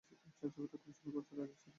ছায়াছবিটি পরিচালনা করেছেন রাজু সিরাজ।